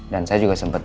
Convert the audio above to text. dan saya juga sembuh ya